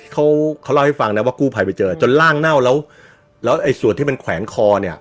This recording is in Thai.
เขาเขาเล่าให้ฟังนะว่ากู้ภัยไปเจอจนร่างเน่าแล้วแล้วไอ้ส่วนที่มันแขวนคอเนี่ย